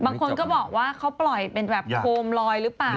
บางคนก็บอกว่าเขาปล่อยเป็นแบบโคมลอยหรือเปล่า